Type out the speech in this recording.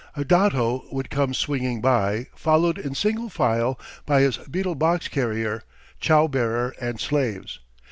A dato would come swinging by, followed in single file by his betel box carrier, chow bearer and slaves.